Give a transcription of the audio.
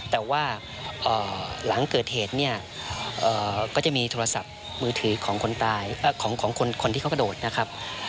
แต่ว่าหลังเกิดเหตุเนี่ยก็จะมีโทรศัพท์มือถือของคนตายของคนที่เขากระโดดนะครับ